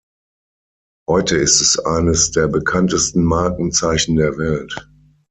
Heute ist es eines der bekanntesten Markenzeichen der Welt.